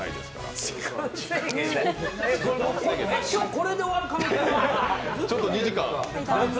これで終わる可能性ある？